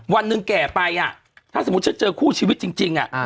วันหนึ่งแก่ไปถ้าสมมุติฉันเจอคู่ชีวิตจริง